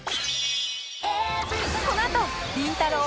このあとりんたろー。